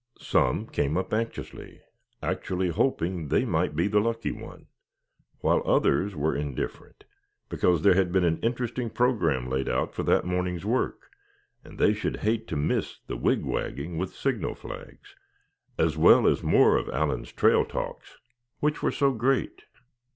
Some came up anxiously, actually hoping they might be the lucky one; while others were indifferent; because there had been an interesting programme laid out for that morning's work, and they should hate to miss the "wigwagging" with signal flags; as well as more of Allan's trail talks, which were so great.